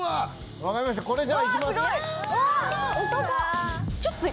分かりましたこれじゃあいきます。